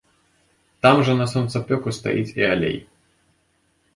Там жа на сонцапёку стаіць і алей.